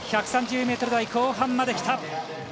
１３０ｍ台後半まで来た。